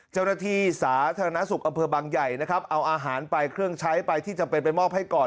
เจ้าหน้าที่สาธารณสุขอำเภอบังใหญ่นะครับเอาอาหารไปเครื่องใช้ไปที่จำเป็นไปมอบให้ก่อน